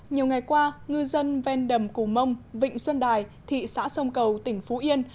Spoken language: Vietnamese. nhiều ngày qua ngư dân ven đầm cù mông vịnh xuân đài thị xã sông cầu tỉnh phú yên